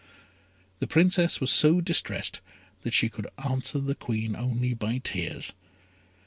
The Princess was so distressed that she could answer the Queen only by tears.